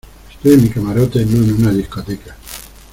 estoy en mi camarote, no en una discoteca.